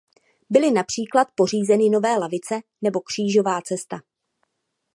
Byly například pořízeny nové lavice nebo křížová cesta.